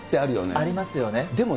ありますよね。